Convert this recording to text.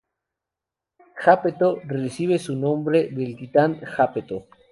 Jápeto recibe su nombre del titán Jápeto.